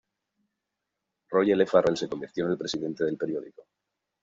Rodger E. Farrell se convirtió en presidente del periódico.